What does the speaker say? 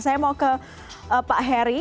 saya mau ke pak heri